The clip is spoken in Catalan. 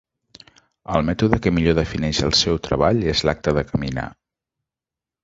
El mètode que millor defineix el seu treball és l'acte de caminar.